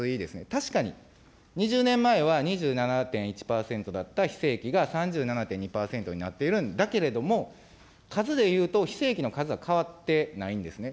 確かに２０年前は２７．１％だった非正規が、３７．２％になっているんだけれども、数でいうと非正規の数は変わってないんですね。